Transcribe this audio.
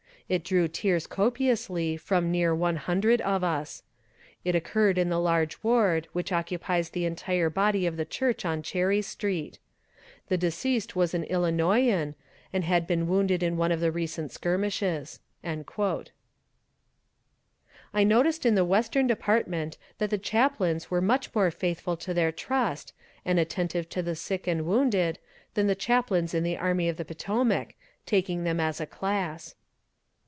It drew tears copiously from near one hundred of us. It occurred in the large ward which occupies the entire body of the church on Cherry street. The deceased was an Illinoisan, and had been wounded in one of the recent skirmishes." I noticed in the Western department that the chaplains were much more faithful to their trust, and attentive to the sick and wounded, than the chaplains in the Army of the Potomac taking them as a class.